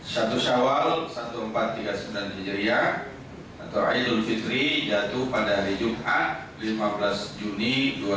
syatushawal seribu empat ratus tiga puluh sembilan hijriah atau aizul fitri jatuh pada hari yub'at lima belas juni dua ribu delapan belas